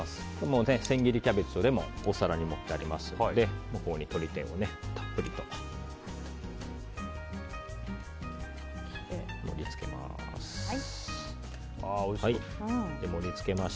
千切りキャベツとレモンをお皿に盛ってありますのでここに鶏天をたっぷりと盛り付けます。